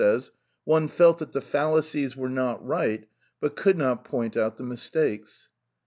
361) says, "One felt that the fallacies were not right, but could not point out the mistakes."